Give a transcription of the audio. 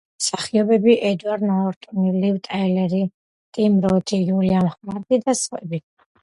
მონაწილეობენ მსახიობები: ედვარდ ნორტონი, ლივ ტაილერი, ტიმ როთი, უილიამ ჰარტი და სხვები.